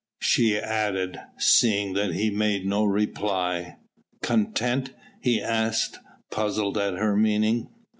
she added, seeing that he made no reply. "Content?" he asked, puzzled at her meaning.